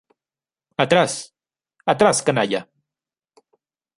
¡ atrás!... ¡ atrás, canalla!